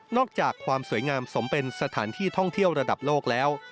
อกจากความสวยงามสมเป็นสถานที่ท่องเที่ยวระดับโลกแล้ว